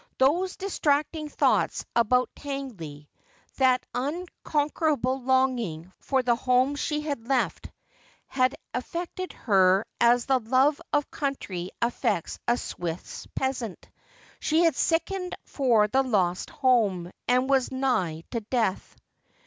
Those distracting thoughts about Tangley — that uncon querable longing for the home she had left — had affected her as the love of country affects a Swiss peasant. She had sickened for the lost home, and was nigh to death.